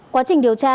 quá trình điều tra